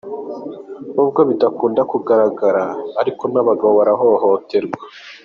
Nubwo bidakunze kugaragara ariko n'abagabo barahohoterwa.